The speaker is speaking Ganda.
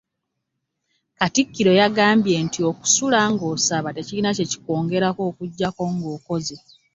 Katikkiro yagambye nti okusula ng'osaba tekirina kye kikwongerako okuggyako ng'okoze